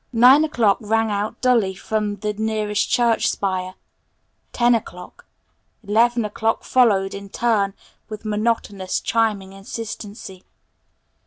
Nine o'clock rang out dully from the nearest church spire; ten o'clock, eleven o'clock followed in turn with monotonous, chiming insistency.